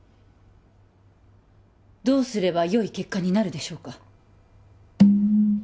どうすればよい結果になるでしょうか？